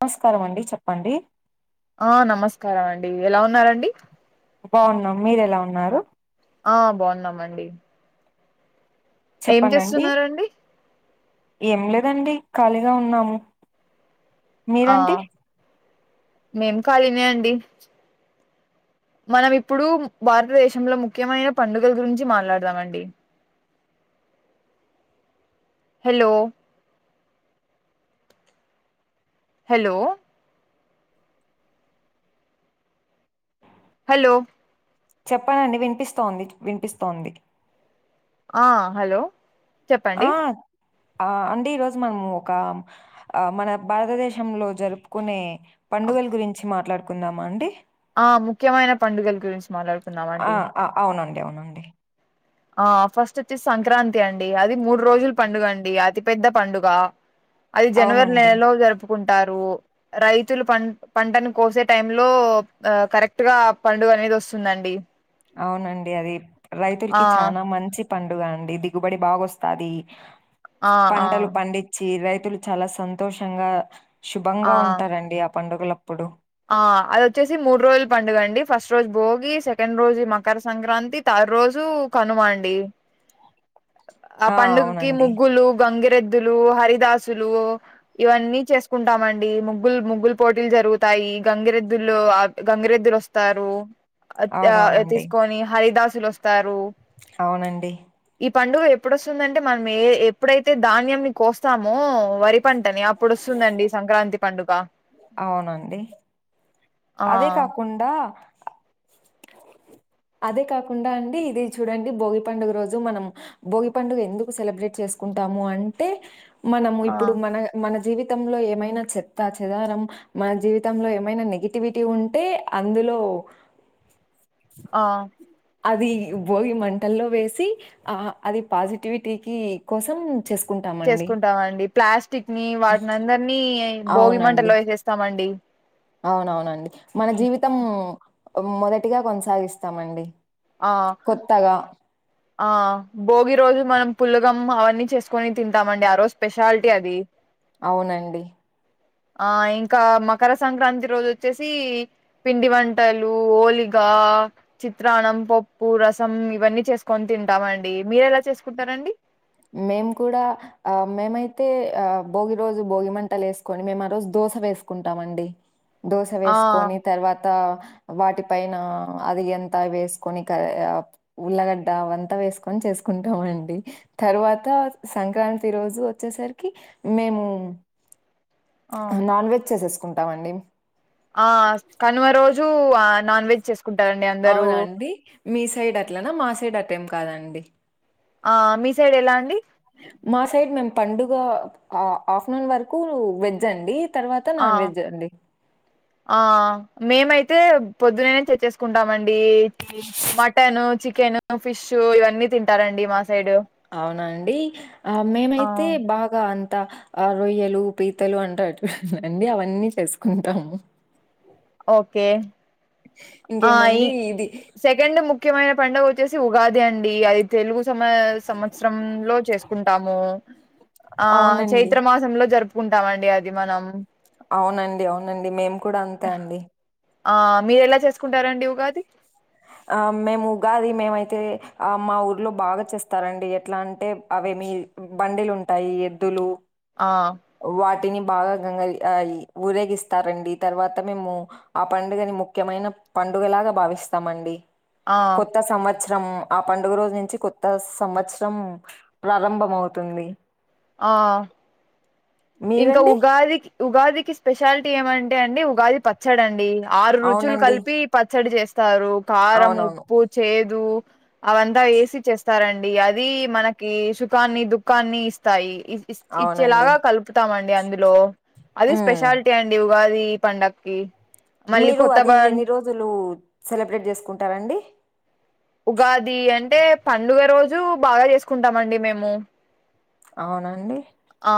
నమస్కారం అండి చెప్పండి ఆ నమస్కారం అండి ఎలా ఉన్నారండి బావున్నా మీరు ఎలా ఉన్నారు. ఆ బావున్నామండి. ఏం చెప్పండండి చేస్తున్నారండి. ఏం లేదండి ఖాళీగా ఉన్నాము. ఆ మీరండి మేం కాలినే అండి. మనం ఇప్పుడు భారతదేశంలో ముఖ్యమైన పండుగల గురించి మాట్లాడదామండి. హలో హలో హలో చెప్పనా అండి వినిపిస్తోంది, వినిపిస్తోంది. ఆ హలో చెప్పండి. ఆ ఆ అండి ఈరోజు మనము ఒక ఆ మన భారతదేశంలో జరుపుకునే పండుగల గురించి మాట్లాడుకుందామా అండి. ఆ ముఖ్యమైన పండుగల గురించి మాట్లాడుకుందామండి. యవునండి. ఆ ఫస్ట్ అచ్చి సంక్రాంతి అండి. అది మూడు రోజుల పండుగ అండి, అతిపెద్ద పండుగా. అది జనవరి అవునండి నెలలో జరుపుకుంటారు. రైతులు పన్ పంటను కోసే టైం లో ఆ కరెక్ట్ గా ఆ పండుగ అనేది వస్తుందండి. అవునండి అది ఆ రైతుల్కి చానా మంచి పండుగ అండి దిగుబడి బాగొస్తాది ఆ ఆ పంటలు పండించి రై తులు చాలా సంతోషంగా ఆ శుభంగా ఉంటారండి ఆ పండుగలో ఆ అది వచ్చేసి మూడు రోజుల్ పండుగ అండి ఫస్ట్ రోజు భోగి, సెకండ్ రోజు మకర సంక్రాంతి, థార్డ్ రోజు కనుమ అండి. ఆ పండుగకి ముగ్గులు, గంగి రెద్దులు, హరిదాసులు ఇవన్నీ చేసుకుంటామండి ముగ్గులు ముగ్గులు పోటీలు జరుగుతా యి గంగిరెద్దుల్లో ఆ గంగిరెద్దులు వస్తారు. అత్ ఆ అవునవునండి తీసుకొని హరిదాసులు వస్తారు. అవునండి. ఈ పండుగ ఎప్పుడొస్తుందంటే మనం ఏ ఎప్పుడైతే ధాన్యం ని కోస్తామో వరి పం టని అప్పుడు వస్తుందండి సంక్రాంతి పండుగ. అవునండి ఆ అదే కాకుండా అదే కాకుండా అండి ఇది చూడండి భోగి పండుగ రోజు మనం భోగి పండుగ ఎందుకు సెలబ్రేట్ చేస్ కుంటాము అంటే మనము ఆ ఇప్పుడు మన మన జీవి తంలో ఏమైనా చెత్త చెదారం, మన జీవితంలో ఏమైనా నెగిటివిటీ ఉంటే అందులో ఒ ఆ అది భోగి మంటల్లో వేసి ఆ అది పాజిటివిటీకి కోసం చెస్కుంటామండి. చేసుకుంటామండి ప్లాస్టిక్ ని వాటినందరినీ భోగి అవునండి మంటల్లో ఏసేస్తామండి. అవునవునండి మన జీవితం మొదటిగా కొనసాగిస్తామండి. ఆ కొత్తగా ఆ భోగి రోజు మనం పుల్లగమ్ అవన్నీ చేసుకొని తింటామండి. ఆ రోజు స్పెషాలిటీ అది. అవునండి. ఆ ఇంకా మకర సంక్రాంతి రోజు వచ్చేసి పిండి వంటలు ఓలిక్ ఇంకా చిత్రాన్నం, పప్పు, రసం ఇవన్నీ చేస్ కొని తింటామండి మీరు ఎలా చేసుకుంటారండి. మేము కూడా ఆ మేమైతే ఆ భోగి రోజు భోగి మంటలు వేసుకొని మేము ఆ రోజు దో స వేసుకుంటామండి. దోస ఆ వేసుకొని తర్వాత వాటి పైన అది ఎంత వేసుకొని క ఉల్లగడ్డ అవంతా వేసుకొని చేస్ కుంటామండి తర్వాత సంక్రాంతి రోజు వచ్చేసరికి మేము ఆ నాన్ వెజ్ చేసేసుకుంటామండి ఆ కనుమ రోజు నాన్ వెజ్ చేస్ అవునా అండి మీ సైడ్ అట్లనా మా సైడ్ అట్టేం కాదండి ఆ మీ సైడ్ ఎలా అండి సైట్ మేము పండుగ ఆఫ్టర్నూన్ వరకు వెజ్ అండి తర్వాత ఆ నాన్ వెజ్ అండి ఆ మేమైతే పొద్దునేనే తేచేసుకుంటామండి మటన్ చికెన్ ఫిష్ ఇవన్నీ తింటారండి మ అవునా అండి ఆ ఆ మేమైతే బాగా అన్ అ ఆ రొయ్యలు పీతలు అంటూ అటుండి అవన్నీ చేసుకుంటాము ఓకే ఆ ఈ ఇంకేమండి ఇది సెకండ్ ముఖ్యమైన పండుగ వచ్చేసి ఉగాది అండి అది తెలుగు మ సంవత్సర లో చేసుకుంటాము ఆ అవునండి. చైత్ర మాసంలో జరుపు కుంటామండి అది మనం అవునండి అవునండి మేము కూడా అంతే అండి ఆ మీరు ఎలా చేసుకుంటారండి ఉగాది ఆ మేము ఉగాది మేమైతే ఆ మా ఊర్లో బాగా చేస్తారండి ఎట్లా అంటే అవే మీ బండిలుంటాయి ఎద్దులు ఆ టిని బాగా గంగ ఊరేగిస్తారండి తర్వాత మేము ఆ పండుగని ముఖ్యమైన పండుగలాగా భావిస్తామండి ఆ కొత్త సంవత్స సంవత్సరం ఆ పండుగ రోజు నుంచి కొత్త సంవత్సరం ప్రారంభం అవుతుంది ఆ ఇంకా మీరండి ఉగాది ఉగాదికి స్పెషాలిటీ ఏమంటే అండి ఉగాది పచ్చడండి ఆరు రుచులు అవునండి కలిపి పచ్చడి చేస్తారు కారం అవునవును ఉప్పు చేదు అవంతా వేసి చేస్తారండి అది మనకి సుఖాన్ని దుఃఖాన్ని ఇస్తాయి ఇస్ ఇస్ అవునండి ఇచ్చేలాగా కలుపుతామండి అందులో అది ఉమ్ స్పెషాలిటీ అండి ఉగాది పండక్కి మళ్ళీ మీరు కొత్త బ అది ఎన్ని రోజులు సెలబ్రేట్ చేసుకుంటారండి ఉగాది అంటే పండుగ రోజు బాగా చేసుకుంటామండి మేము అవునండి ఆ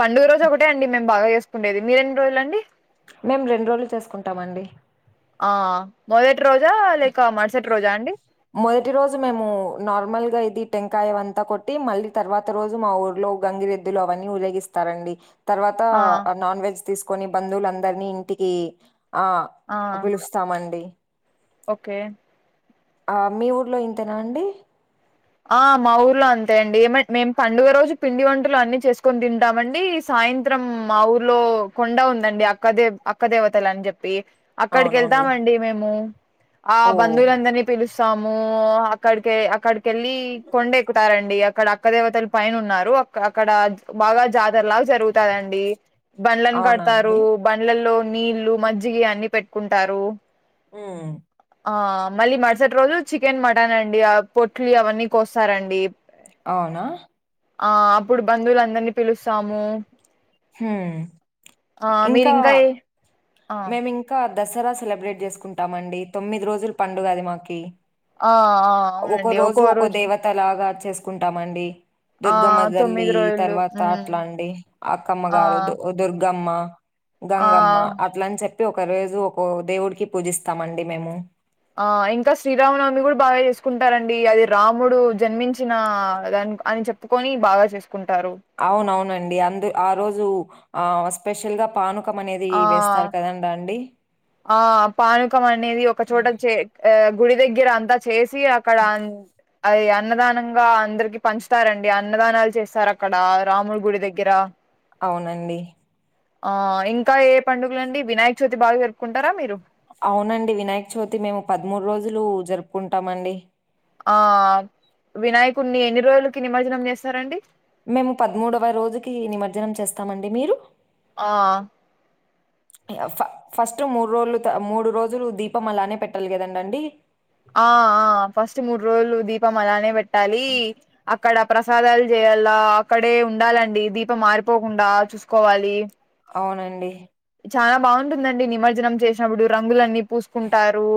పండుగ రోజు ఒకటే అండి మేము బాగా చేసుకుేది మీరెన్ని రోజులండి మేము రెండు రోజులు చేసుకుంటామండి ఆ మొదెట్ రోజా లేక మసట్ మొదటి రోజు మేము నార్మల్ గా ఇది టెంకాయ అంతా కొట్టి మళ్ళీ తర్వాత రోజు మా ఊర్లో గంగిరెద్దులు అవన్నీ ఊరేగిస్తారండి తర్వాత ఆ నాన్ వెెజ్ తీసుకొని బంధువులందరినీ ఇంటికి ఆ ఆ పిలుస్తామండి ఓకే ఆ మీ ఊర్లో ఇంతేనా అండి ఆ మా ఊర్లో అంతే అండి ఏమ మేం పండుగ రోజు పిండి వంటలు అన్ని చేస్కొన్ తింటామండి. సా సాయంత్రం మా ఊర్లో కొండ ఉందండి అక్కదేవ్ అక్క దేవతలన్ జెప్పి అవునవునులే. అక్కడికెళ్తామండి మేము ఆ ఓహ్! బంధువులందర్నీ పిలుస్ స్తాము అక్కడికే అక్కడికెళ్ళి కొండెక్కుతారండి అక్కడ అక్క దేవతల్ పైనున్నారు. అ అక్కడ బాగా జాతరలాగా జరుగుతాదండి. బండ్లన్ అవునా కడ్తారు. అండి? బండ్లల్లో నీళ్ళు, మజ్జిగి అన్ని పెట్టుకుంటారు. ఆ ఆ మళ్ళీ మరుసట్ రోజు చికెన్, మటన్ అండి ఆ పొట్లీ అవన్నీ కోస్తారండి. అవునా ఆ అప్పుడు బంధువులందర్నీ పిలుస్తాము. హ్ ఆ మీరు ఇంకా ఏ ఆ మేమింక దసరా సెలబ్రేట్ చేసుకుంటామండి తొమ్మిది రోజుల్ పండుగ అది మాకి ఆ ఆ ఒకో అవునండి రోజు ఒక్కో ఒకో దేవతలాగా చేస్కుంటామండి. ఆ దుర్గమ్మతల్లి తొమ్మిది రోజులు తర్వాత ఉమ్ అట్లా అండి. అక్కమ్మ ఆ గారు దు దుర్గమ్మ ఆ లన్ చెప్పి ఒక రోజు ఒక దేవుడికి పూజిస్తామండి మేము ఆ ఇంకా శ్రీరామనవమి గుడ బాగా చేస్కుంటారండి అది రాముడు జన్మించిన దాన్ అని చెప్పుకోని బాగా చేస్ అవునవునండి అందు ఆ రోజు ఆ స్పెషల్గా పాను ఆ ఆ పానుకం అనేది ఒకచోట చే ఆ గుడి దగ్గర అంత చేసి అక్కడ అం అది అన్నదానంగా అందర్కి పంచుతారండి. అన్నదానాల్ చేస్తార్ అక్కడ రాముడు గుడి దగ్గర అవునండి. ఆ ఇంకా ఏ పండుగలండి వినాయక చవితి బాగా జరుపుకుంటారా మీరు? అవునండి వినాయక చవితి మేము పద్మూడ్ రోజులు జరుపుకుంటామండి. ఆ వినాయకుడ్ని ఎన్ని రోజులకి నిమజ్జనం చేస్తరండి మేము పద్మూడవ రోజుకి నిమజ్జనం చేస్తామండి. మీరు? ఆ ఫ ఫస్ట్ మూడు రోజులు త మూడు రోజులు దీపం అలానే పెట్టాలి కదండ అండి. ఆ ఆ ఫస్ట్ మూడ్ రోజులు దీపం అలానే పెట్టాలీ అక్కడ ప్రసాదాల్ చేయాల అక్కడే ఉండాలండి దీపం ఆరిపోకుండా చూస్కోవాలి అవునండి. చాలా బాగుంటుందండి నిమజ్జనం చేసినప్పుడు రంగులన్నీ పూస్కుంటారు.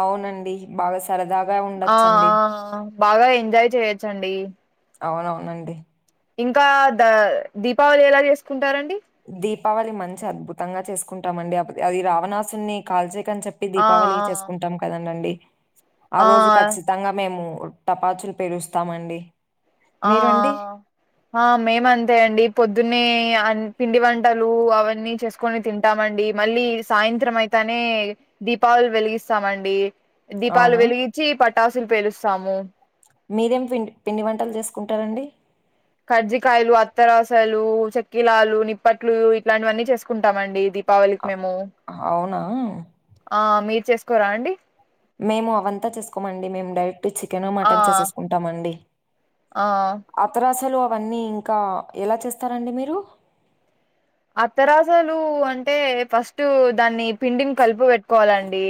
అవునండి. బాగా సరదాగా ఆ ఉండొచ్చండి. ఆ బాగా ఎంజాయ్ చేయచ్చండి. అవునవునండి. ఇంకా ద దీపావళి ఎలా చేసుకుంటారండి? దీపావళి మంచి అద్భుతంగా చేసుకుంటామండి. అది రావణాసున్నీ కాల్చే అన్ చెప్పి ఆ దీపావళి చేసుకుంటాం కదండండి. ఆ రోజు ఖచ్చితంగా మేము టపాచుల్ పేలుస్తామండి. ఆ... మీరండి? ఆ మేమంతే అండి పొద్దున్నే అం పిండి వంటలు అవన్నీ చేస్కోని తింటామండి మళ్ళీ సాయంత్రం అయితనే దీపాల్ వెలిగిస్తామండి. దీపాలు అవునా? వెలుగిచ్చి పటాసులు పేలుస్తాము. మీరేం పిండి పిండి వంటలు చేస్కుంటారండి. మజ్జికాయలు, అత్తరసలు, చెక్కిలాలు, నిప్పట్లు ఇట్లాంటివన్నీ చేస్కుంటామండి. ఇది దీపావళికి అ మేము అవునా? ఆ మీర్ చేస్కోరా అండి మేము అవంతా చేసుకోమండి, మేము డైరెక్ట్ చికెను ఆ మటను చేసేసుకుంటామండి ఆ అతరాసలు అవన్నీ ఇంకా ఎలా చేస్తారండి మీరు? అత్తరాసలు అంటే ఫస్ట్ దాన్ని పిండిని కలిపు పెట్టుకోవాలండి.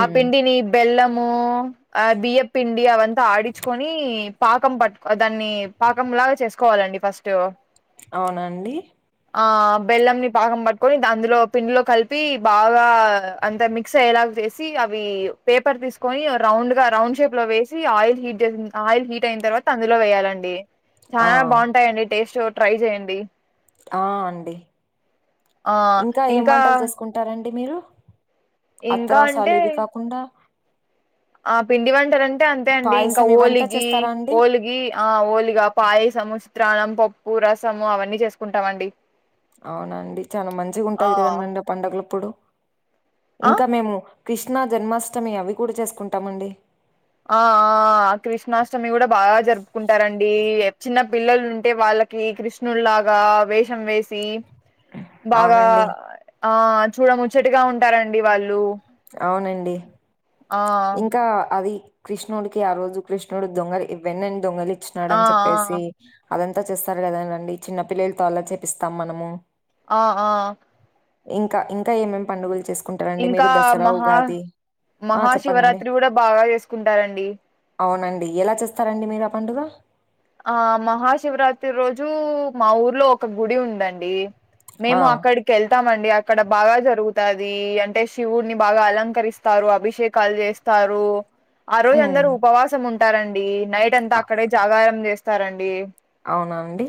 ఆ పిండిని బెల్లం ము ఆ బియ్యప్పిండి అవంతా ఆడిచుకొని పాకం పట్టుకో దాన్ని పాకం. లాగా చేసుకోవాలండి ఫస్టు అవునండి. ఆ బెల్లంని పాకం పట్టుకొని ద అందులో పిండిలో కలిపి బాగా అంత మిక్స్ అయ్యేలాగా చేస్ సి అవి పేపర్ తీసుకొని రౌండ్ గా రౌండ్ షేప్ లో వేసి, ఆయిల్ హీట్ చేసి ఆయిల్ హీట్ అయిన తర్వ త అందులో వేయాలండి, ఆ! చానా బాగుంటాయండి టేస్ట్ ట్రై చేయండి. ఆ అండి, ఆ ఇంకా ఏం వంటలు చేసుకుంటారండి మీరు? ఇంకా అత్తరాసాలు అంటే ఇవి కాకుండా ఆ పిండి వంటలం టే అంతే అండి ఇంకా పాయసం ఇవంతా ఓలిగి చేస్తారా అండి? ఓలిగి ఆ ఓలిగా పాయసము త్రాన్నం, పప్పు రసము అవన్నీ చేసుకుంటామండి అవునండి చాన మంచిగ ఆ ఉంటాది కదండండి పండుగలుప్పుడు ఆ ఇంకా మేము కృష్ణ జన్మాష్టమి అవి కూడా చేసుకుంటామండి. ఆ ఆ కృష్ణాష్టమి కూడా బాగా జరుపుకుంటారండి, ఈ చిన్న పిల్లలు ఉంటే వాళ్ళకి కృష్ణులాగా వేషం వేసి బాగా అవునండి. ఆ చూడ ముచ్చటగా ఉంటారండి వాళ్ళు అవునండి. ఆ ఇంకా అవి కృష్ణుడికి ఆ రోజు కృష్ణుడు దొంగలు వెన్నని దొంగలి చినాడు ఆ అని చెప్పేసి ఆ అదంతా చేస్తారు కదండి చిన్న పిల్లలతో అలా చేపిస్తాం మనము ఆ ఆ ఇంకా ఇంకా ఏమేం పండుగలు చేసుకుంటారండి ఇంకా మీరు దసరా, మహా ఉగాది ఆ చెప్ పనండి, మహాశివరాత్రి కూడా బాగా చేసుకుంటారండి అవునండి ఎలా చేస్తారండి మీరు ఆ పండుగ? ఆ మహాశివరాత్రి రోజు మా ఊర్లో ఒక గుడి ఉందండి. ఆ! మేము అక్కడికి ఎళ్తామం అండి అక్కడ బాగా జరుగుతాది అంటే శివుడిని బాగా అలంకరిస్తారు, అభిషేకాలు చేస్తారు. ఆ రోజు హ్మ్. అందరూ ఉపవాసం ఉంటారండి, నైట్ అంతా అ అక్కడే జాగారం చేస్తారండి. అవునా అండి.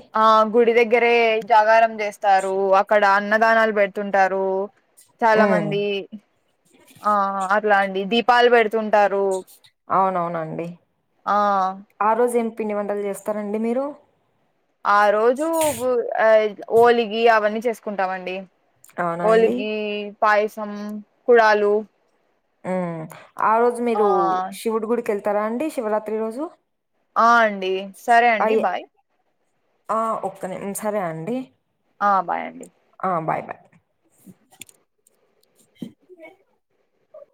గ్గరే జాగారం చేస్తారు, అక్కడ అన్నదానాలు పెడుతుంటారు. చాలా హ్మ్. మంది, ఆ అట్లా అండి దీపాలు పెడుతుంటారు. అవునవునండి, ఆ ఆ రోజు ఏం పిండి వంటలు చేస్తారండి మీరు? ఆ రోజు గు ఆ ఓలిగి అవన్నీ చేసుకుంటామండి. అవునా అండి? ఓలిగి పాయసం, కుడాళు ఉమ్ ఆ రోజు మీరు శివుడి గుడికెళ్తారా అండి శివరాత్రి రోజు? ఆ అండి సరే అండి అయ్యే బాయ్. ఆ ఒక్క నిమ్ సరే అండి. ఆ బాయండి ఆ బాయ్ బాయ్